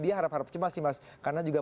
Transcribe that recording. dia harap harap cemas sih mas karena juga